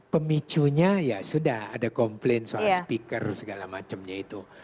pemicunya ya sudah ada komplain soal speaker segala macamnya itu